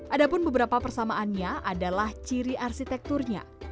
adapun beberapa persamaannya adalah ciri arsitekturnya